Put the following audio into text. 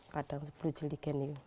kadang sepuluh jilikan